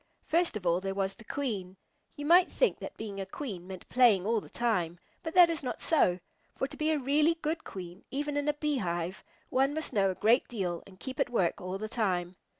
First of all, there was the Queen. You might think that being a Queen meant playing all the time, but that is not so, for to be a really good Queen, even in a Beehive, one must know a great deal and keep at work all the time.